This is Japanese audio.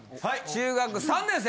中学３年生。